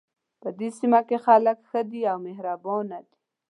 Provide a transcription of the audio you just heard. په دې سیمه کې خلک ښه دي او مهربانه دي